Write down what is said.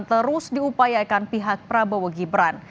terus diupayakan pihak prabowo gibran